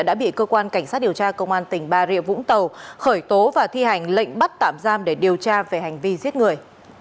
đã bị cơ quan cảnh sát điều tra công an tỉnh bà rịa vũng tàu khởi tố và thi hành lệnh bắt tạm giam để điều tra về hành vi giết người